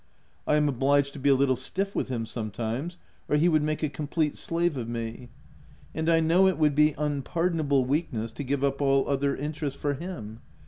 I am obliged to be a little stiff with him some times, or he would make a complete slave of me : and I know it would be unpardonable weakness to give up all other interests for him.